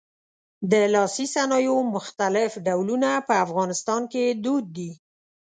د لاسي صنایعو مختلف ډولونه په افغانستان کې دود دي.